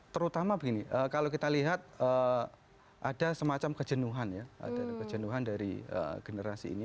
terutama begini kalau kita lihat ada semacam kejenuhan ya kejenuhan dari generasi ini